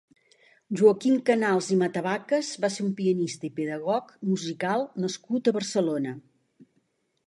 Joaquim Canals i Matavacas va ser un pianista i pedagog musical nascut a Barcelona.